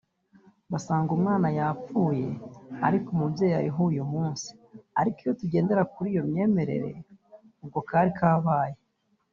basanga umwana yapfuye ariko umubyeyi ariho uyu munsi ariko iyo tugendera kuri iyo myemerere ubwo kari kabaye